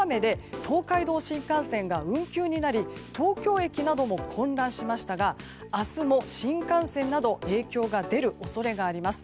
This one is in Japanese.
先週の大雨で東海道新幹線が運休になり東京駅なども混乱しましたが明日も新幹線など影響が出る恐れがあります。